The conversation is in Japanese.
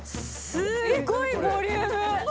すごいボリューム。